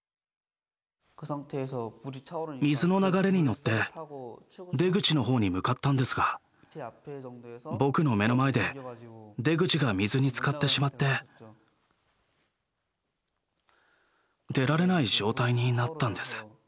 水の流れに乗って出口の方に向かったんですが僕の目の前で出口が水につかってしまって出られない状態になったんです。